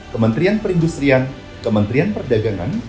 kementerian perindustrian kementerian perdagangan